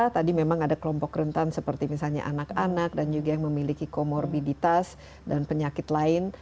tadi memang ada kelompok rentan seperti misalnya anak anak dan juga yang memiliki komorbiditas dan penyakit lain